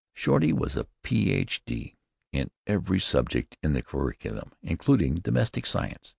Shorty was a Ph.D. in every subject in the curriculum, including domestic science.